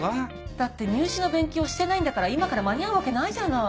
だって入試の勉強をしてないんだから今から間に合うわけないじゃない。